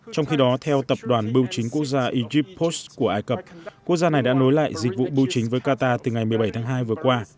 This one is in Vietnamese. trong khi đó theo tập đoàn bưu chính quốc gia egyp post của ai cập quốc gia này đã nối lại dịch vụ bưu chính với qatar từ ngày một mươi bảy tháng hai vừa qua